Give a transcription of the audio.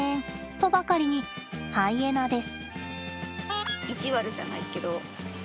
とばかりにハイエナです。